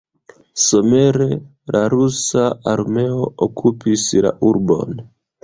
Somere la rusa armeo okupis la urbon.